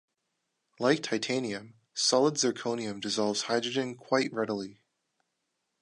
Like titanium, solid zirconium dissolves hydrogen quite readily.